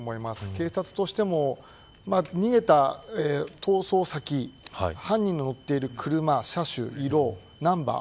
警察としても、逃げた逃走先犯人の乗っている車、車種色、ナンバー